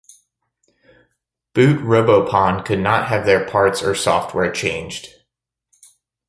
Boot Robopon could not have their parts or software changed.